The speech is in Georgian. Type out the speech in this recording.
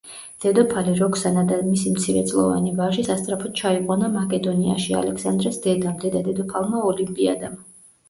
დედოფალი როქსანა და მისი მცირეწლოვანი ვაჟი სასწრაფოდ ჩაიყვანა მაკედონიაში ალექსანდრეს დედამ, დედა-დედოფალმა ოლიმპიადამ.